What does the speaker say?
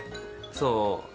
そう。